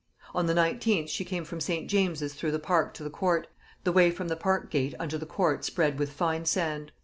On the 19th she came from St. James's through the park to the court; the way from the park gate unto the court spread with fine sand.